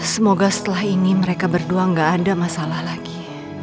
semoga setelah ini mereka berdua gak ada masalah lagi